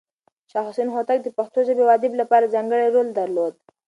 شاه حسين هوتک د پښتو ژبې او ادب لپاره ځانګړی رول درلود.